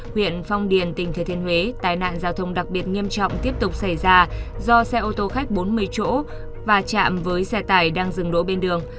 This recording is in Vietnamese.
huyện phong điền tỉnh thừa thiên huế tai nạn giao thông đặc biệt nghiêm trọng tiếp tục xảy ra do xe ô tô khách bốn mươi chỗ và chạm với xe tải đang dừng đỗ bên đường